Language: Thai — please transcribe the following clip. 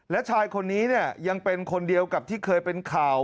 และชายคนนี้เนี่ยยังเป็นคนเดียวกับที่เคยเป็นข่าว